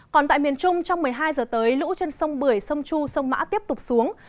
còn tại miền trung trong một mươi hai giờ tới lũ trên sông bưởi sông chu sông mã tiếp tục xuống